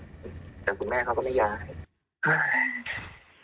แต่คุณแม่เขาก็ไม่ย้าย